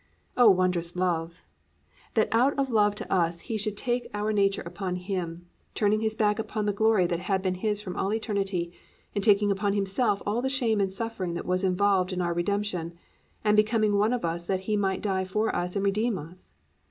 "+ Oh, wondrous love! that out of love to us He should take our nature upon Him, turning His back upon the glory that had been His from all eternity and taking upon Himself all the shame and suffering that was involved in our redemption, and becoming one of us that He might die for us and redeem us!